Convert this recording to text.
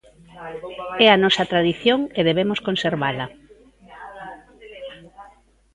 É a nosa tradición e debemos conservala.